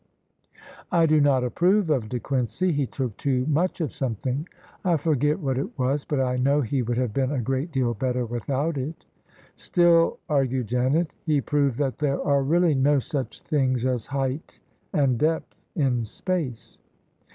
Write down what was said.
" I do not approve of De Quincey: he took too much of something. I forget what it was, but I know he would have been a great deal better without it." " Still," argued Janet, " he proved that there are really no such things as height and depth in space."